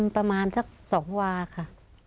ประมาณสัก๒วาค่ะ